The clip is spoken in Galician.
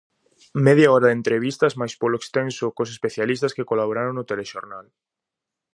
Media hora de entrevistas máis polo extenso cos especialistas que colaboraron no telexornal.